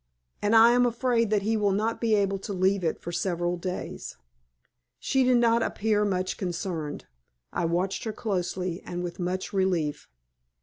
And I am afraid that he will not be able to leave it for several days." She did not appear much concerned. I watched her closely, and with much relief.